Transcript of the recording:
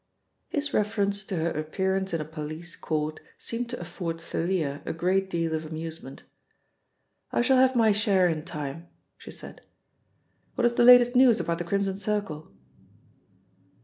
His reference to her appearance in a police court seemed to afford Thalia a great deal of amusement. "I shall have my share in time," she said. "What is the latest news about the Crimson Circle?"